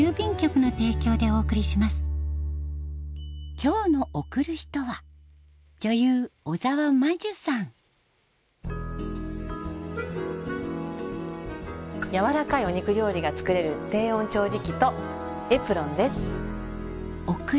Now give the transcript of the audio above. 今日のやわらかいお肉料理が作れる低温調理器とエプロンです。